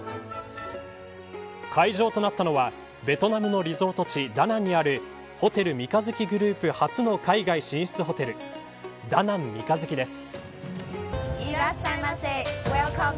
会場となったのはベトナムのリゾート地ダナンにあるホテル三日月グループ初の海外進出ホテルダナン三日月です。